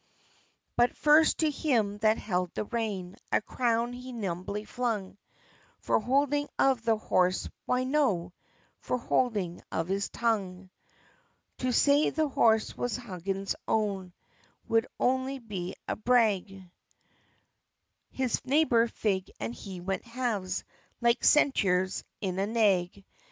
But first to him that held the rein A crown he nimbly flung: For holding of the horse? why, no For holding of his tongue. To say the horse was Huggins' own, Would only be a brag; His neighbor Fig and he went halves, Like Centaurs, in a nag.